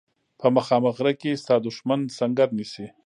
په مخامخ غره کې ستا دښمن سنګر نیسي.